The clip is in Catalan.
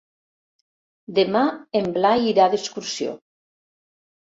Demà en Blai irà d'excursió.